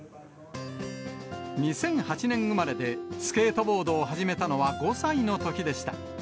２００８年生まれで、スケートボードを始めたのは５歳のときでした。